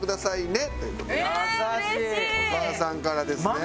お母さんからですね。